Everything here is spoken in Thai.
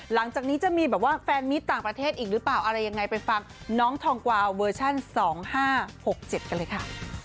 หลังจากนี้จะมีแบบว่าแฟนมิตต่างประเทศอีกหรือเปล่าอะไรยังไงไปฟังน้องทองกวาวเวอร์ชัน๒๕๖๗กันเลยค่ะ